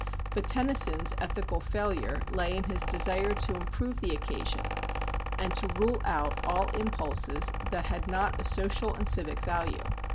But Tennyson's ethical failure lay in his desire to improve the occasion, and to rule out all impulses that had not a social and civic value.